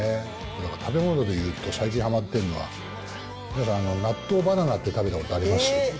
だから食べ物で言うと、最近はまってるのは、皆さん、納豆バナナって食べたことあります？